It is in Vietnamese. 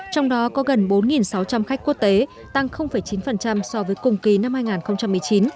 trong đó có gần bốn sáu trăm linh khách quốc tế tăng chín so với cùng kỳ năm hai nghìn một mươi chín